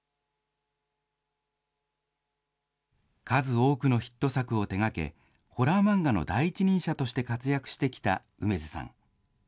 数多くのヒット作を手がけ、ホラー漫画の第一人者として活躍してきた楳図さん。